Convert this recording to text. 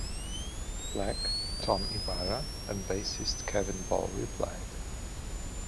Black (Tom Ybarra) and bassist Kevin Ball replied.